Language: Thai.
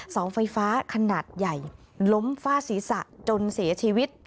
เสาไฟฟ้าขนาดใหญ่ล้มฟาดศีรษะจนเสียชีวิต